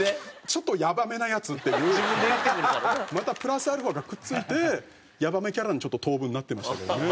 ちょっとやばめなヤツっていうまたプラスアルファがくっついてやばめキャラにちょっと当分なってましたけどね。